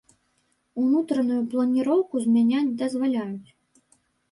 Унутраную планіроўку змяняць дазваляюць.